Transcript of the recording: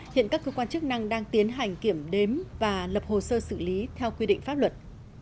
hiện các cơ quan chức năng đang tiến hành kiểm đếm và lập hồ sơ xử lý theo quy định pháp luật